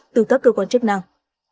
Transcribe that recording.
từ các cơ quan chức năng